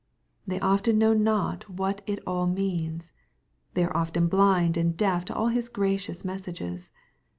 They often know not what it all means. They are often blind and deaf to all His gracious messages.